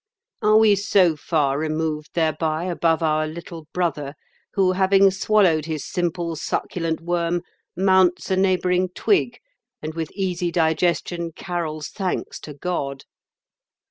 Are we so far removed thereby above our little brother, who, having swallowed his simple, succulent worm, mounts a neighbouring twig and with easy digestion carols thanks to God?